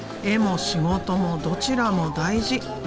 絵も仕事もどちらも大事。